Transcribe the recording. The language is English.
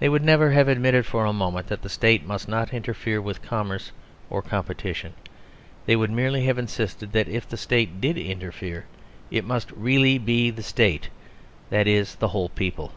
They would never have admitted for a moment that the State must not interfere with commerce or competition; they would merely have insisted that if the State did interfere, it must really be the State that is, the whole people.